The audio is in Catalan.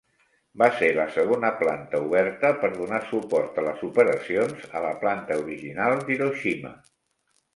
Va ser la segona planta oberta per donar suport a les operacions a la planta original d'Hiroshima.